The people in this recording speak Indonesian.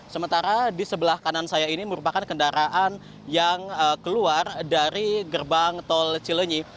sementara di sebelah kanan saya ini merupakan kendaraan yang keluar dari gerbang tol cilenyi